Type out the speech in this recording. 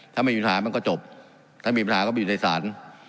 ถ้าไม่มีปัญหามันก็จบถ้ามีปัญหาก็ไปอยู่ในศาล